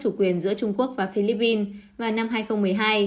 chủ quyền giữa trung quốc và philippines vào năm hai nghìn một mươi hai